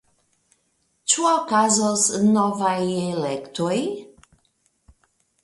Ĉu okazos novaj elektoj?